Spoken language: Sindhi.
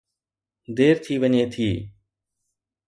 دير ٿي وڃي ٿي.